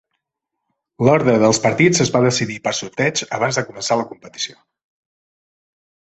L'ordre dels partits es va decidir per sorteig abans de començar la competició.